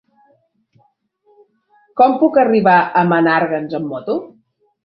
Com puc arribar a Menàrguens amb moto?